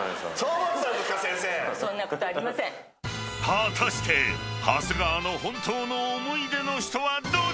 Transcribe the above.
［果たして長谷川の本当の思い出の人はどっち？］